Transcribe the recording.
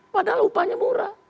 padahal upahnya murah